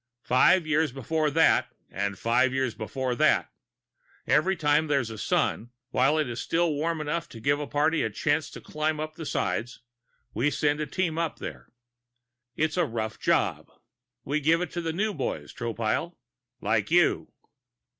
Five years before that, and five years before that every time there's a sun, while it is still warm enough to give a party a chance to climb up the sides we send a team up there. It's a rough job. We give it to the new boys, Tropile. Like you."